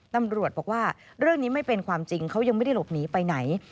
ตำรวจบอกว่าเรื่องนี้ไม่เป็นความจริงเขายังไม่ได้หลบหนีไปไหน